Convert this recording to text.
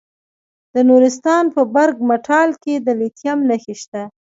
د نورستان په برګ مټال کې د لیتیم نښې شته.